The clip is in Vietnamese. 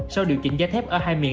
sau điều chỉnh giá thép ở hai miền